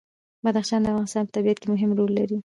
بدخشان د افغانستان په طبیعت کې مهم رول لري.